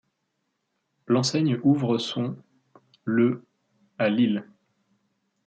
L'enseigne ouvre son le à Lille.